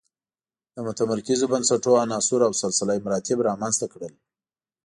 د متمرکزو بنسټونو عناصر او سلسله مراتب رامنځته کړل.